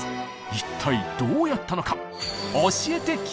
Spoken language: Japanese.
一体どうやったのか？